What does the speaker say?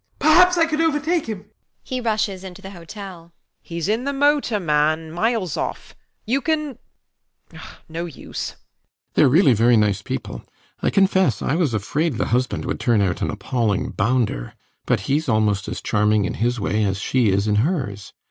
Perhaps I could overtake him [he rushes into the hotel]. WALPOLE [calling after him] He's in the motor, man, miles off. You can [giving it up]. No use. RIDGEON. Theyre really very nice people. I confess I was afraid the husband would turn out an appalling bounder. But he's almost as charming in his way as she is in hers.